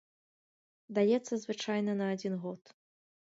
Даецца звычайна на адзін год.